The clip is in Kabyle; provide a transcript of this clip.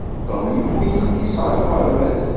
Tom yewwi yelli-s ɣer uɣerbaz.